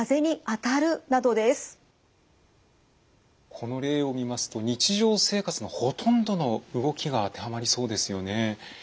この例を見ますと日常生活のほとんどの動きが当てはまりそうですよね。